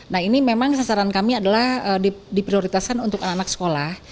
nah ini memang sasaran kami adalah diprioritaskan untuk anak anak sekolah